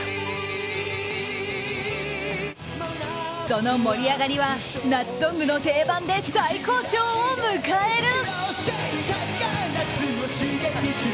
その盛り上がりは夏ソングの定番で最高潮を迎える。